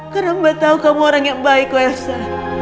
karena mbak tahu kamu orang yang baik elsa